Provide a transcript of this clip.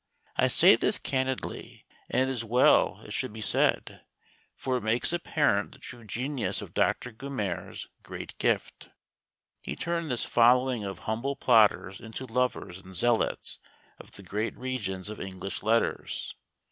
I say this candidly, and it is well it should be said, for it makes apparent the true genius of Doctor Gummere's great gift. He turned this following of humble plodders into lovers and zealots of the great regions of English letters.